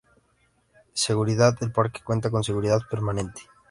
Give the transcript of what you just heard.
Seguridad El parque cuenta con seguridad permanente.